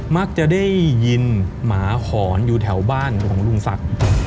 มักจะได้ยินหมาหอนอยู่แถวบ้านของลุงศักดิ์